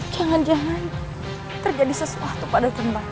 jangan jangan terjadi sesuatu pada kembang